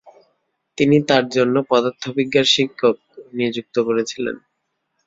তিনি তাঁর জন্য “পদার্থবিদ্যার শিক্ষক” নিযুক্ত করেছিলেন।